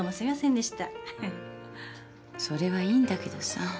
それはいいんだけどさ。